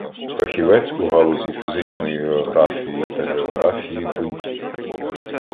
Фахівець у галузі фізичної географії та географії ґрунтів.